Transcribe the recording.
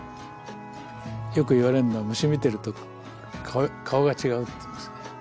よく言われるのは虫見てると顔が違うっていうんですね。